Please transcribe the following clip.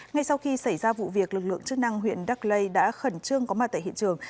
ngay sau khi xảy ra vụ việc lực lượng chức năng huyện đắc lây đã khẩn trương có mặt tại hiện trường